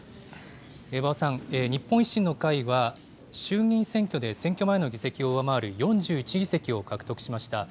馬場さん、日本維新の会は、衆議院選挙で選挙前の議席を上回る４１議席を獲得しました。